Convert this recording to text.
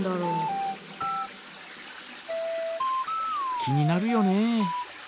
気になるよね。